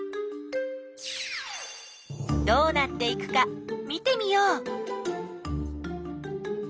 どうなっていくか見てみよう。